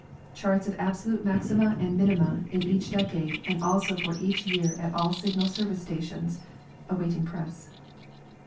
Charts of absolute maxima and minima in each decade and also for each year at all Signal service stations (awaiting press).